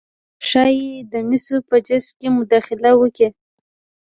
ښايي د مسو په جذب کې مداخله وکړي